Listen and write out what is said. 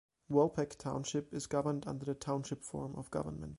Walpack Township is governed under the Township form of government.